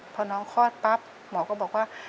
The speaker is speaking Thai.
พอน้องคลอดปั๊บหมอก็บอกว่า